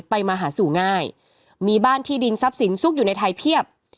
มาหาสู่ง่ายมีบ้านที่ดินทรัพย์สินซุกอยู่ในไทยเพียบ